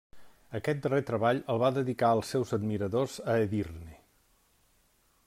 Aquest darrer treball el va dedicar als seus admiradors a Edirne.